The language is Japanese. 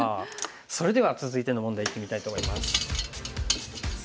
それでは続いての問題いってみたいと思います。